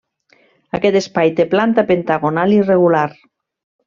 Aquest espai té planta pentagonal irregular.